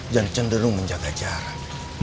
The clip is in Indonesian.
dan cenderung menjaga jarak